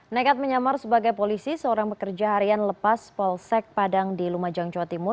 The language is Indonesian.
nekat menyamar sebagai polisi seorang pekerja harian lepas polsek padang di lumajang jawa timur